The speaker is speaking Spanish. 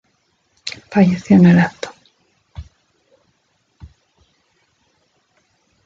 Falleció en el acto.